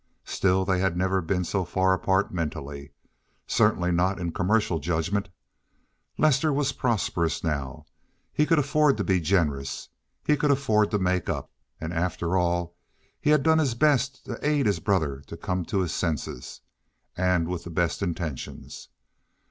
Still they had never been so far apart mentally—certainly not in commercial judgment. Lester was prosperous now. He could afford to be generous. He could afford to make up. And after all, he had done his best to aid his brother to come to his senses—and with the best intentions.